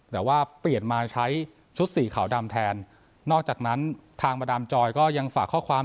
แต่ว่าเปลี่ยนมาใช้ชุดสีขาวดำแทนนอกจากนั้นทางประดามจอยก็ยังฝากข้อความ